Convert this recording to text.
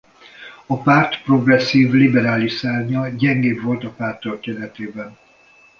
A párt progresszív liberális szárnya gyengébb volt a párt történetében.